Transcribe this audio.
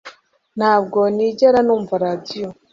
Ntabwo nigera numva radio